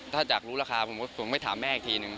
ถ้าจากรู้ราคาผมไม่ถามแม่อีกทีนึง